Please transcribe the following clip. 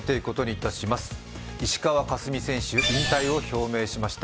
石川佳純選手引退を表明しました。